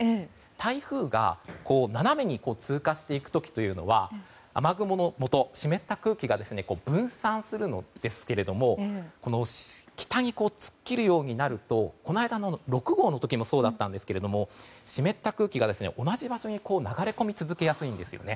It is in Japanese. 台風が斜めに通過していく時というのは雨雲のもと湿った空気が分散するんですけども北に突っ切るようになるとこの間の６号の時もそうだったんですけれども湿った空気が同じ場所に流れ込み続けやすいんですよね。